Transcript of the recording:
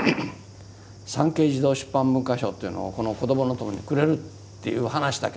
産経児童出版文化賞というのをこの「こどものとも」にくれるっていう話だけどもっていうこと。